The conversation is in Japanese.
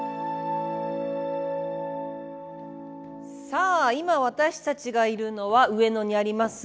さあ今私たちがいるのは上野にあります